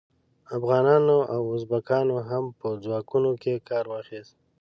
افغانانو او ازبکانو هم په ځواکونو کې کار واخیست.